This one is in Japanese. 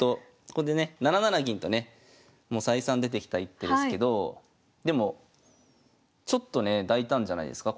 ここでね７二銀とねもう再三出てきた一手ですけどでもちょっとね大胆じゃないですか？